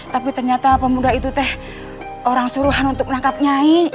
tapi ternyata pemuda itu teh orang suruhan untuk menangkap nyai